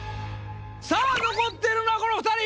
さあ残っているのはこの二人。